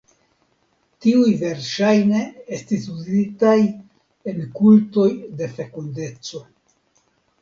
Tiuj verŝajne estis uzitaj en kultoj de fekundeco.